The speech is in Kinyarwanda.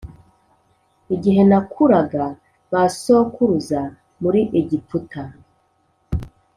Igihe nakuraga ba sokuruza muri Egiputa